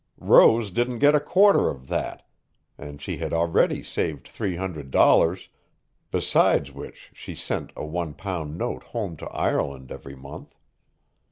Rose didn't get a quarter of that, and she had already saved $300, besides which she sent a one pound note home to Ireland every month.